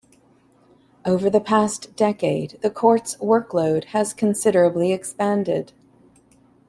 Over the past decade, the Court's workload has considerably expanded.